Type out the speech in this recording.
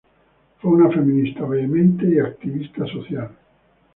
Fue una feminista vehemente y activista social.